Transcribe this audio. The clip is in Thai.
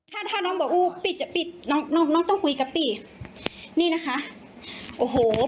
ถ้าถ้าน้องบอกอู้ปิดจะปิดน้องน้องต้องคุยกับปินี่นะคะโอ้โห